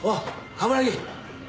冠城！